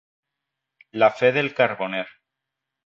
La fe del carboner.